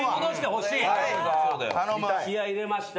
気合入れました。